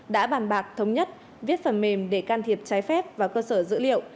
đã bàn bạc thống nhất viết phần mềm để can thiệp trái phép vào cơ sở dữ liệu